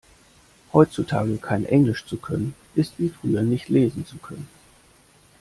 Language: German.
Heutzutage kein Englisch zu können ist wie früher nicht lesen zu können.